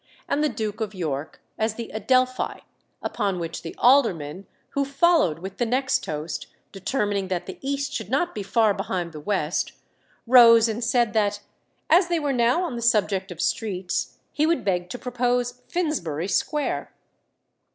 and the Duke of York as "the Adelphi," upon which the alderman, who followed with the next toast, determining that the East should not be far behind the West, rose and said that "as they were now on the subject of streets, he would beg to propose Finsbury Square."